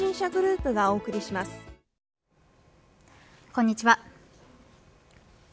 こんにちは。